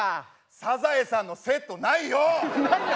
サザエさんのセットないよ！ないの！？